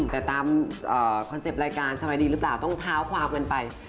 แต่ตามคอนเซ็ปต์รายการสบายดีหรือเปล่าต้องเท้าความกันไป